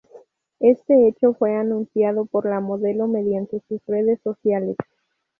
Este hecho fue anunciado por la modelo mediante sus redes sociales.